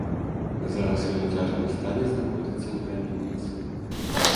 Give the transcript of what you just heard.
Зараз ён ў цяжкім стане знаходзіцца ў рэанімацыі.